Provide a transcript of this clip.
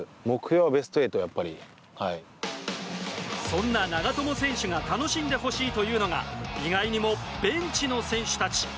そんな長友選手が楽しんでほしいというのが意外にもベンチの選手たち。